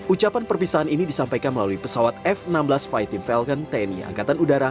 ucapan perpisahan ini disampaikan melalui pesawat f enam belas fighting falcon tni angkatan udara